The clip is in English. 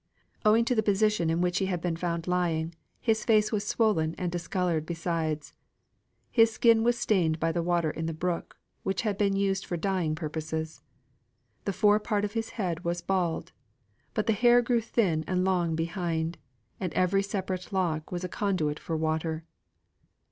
Owing to the position in which he had been found lying, his face was swollen and discoloured; besides, his skin was stained by the water in the brook, which had been used for dyeing purposes. The fore part of his head was bald; but the hair grew thin and long behind, and every separate lock was a conduit for water.